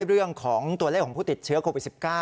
เรื่องของตัวเลขของผู้ติดเชื้อโควิด๑๙